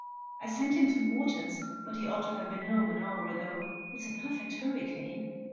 I sent him to Morton's, but he ought to have been home an hour ago. It's a perfect hurricane!"